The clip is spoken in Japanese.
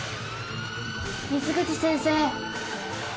水口先生。